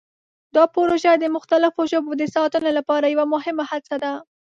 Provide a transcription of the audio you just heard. دا پروژه د مختلفو ژبو د ساتنې لپاره یوه مهمه هڅه ده.